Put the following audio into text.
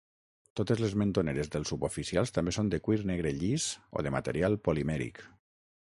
Totes les mentoneres dels suboficials també són de cuir negre llis o de material polimèric.